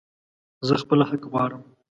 زه خپل حق غواړم